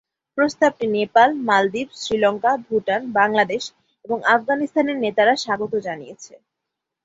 প্রস্তাবটি নেপাল, মালদ্বীপ, শ্রীলঙ্কা, ভুটান, বাংলাদেশ এবং আফগানিস্তানের নেতারা স্বাগত জানিয়েছে।